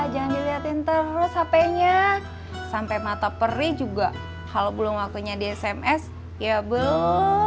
jangan dilihatin terus hp nya sampai mata perih juga kalau belum waktunya di sms ya belum